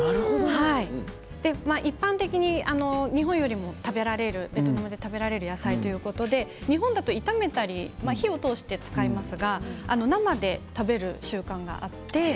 一般的に、日本よりもベトナムで食べられる野菜ということで日本だと炒めたり火を通して使いますが生で食べる習慣がある。